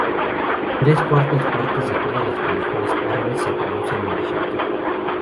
Tres cuartas partes de todas las películas árabes se producen en Egipto.